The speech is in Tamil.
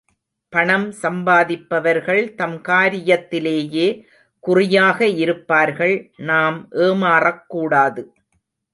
பணம் சம்பாதிப்பவர்கள் தம் காரியத்திலேயே குறியாக இருப்பார்கள் நாம் ஏமாறக் கூடாது.